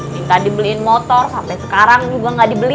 minta dibeliin motor sampe sekarang juga ga dibeliin